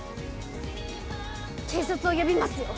警察を呼びますよ。